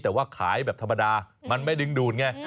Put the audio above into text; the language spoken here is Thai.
แต่ว่าขายแบบธรรมดามันไม่ดึงดูดไง